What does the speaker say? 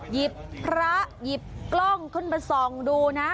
หยิบพระหยิบกล้องขึ้นมาส่องดูนะ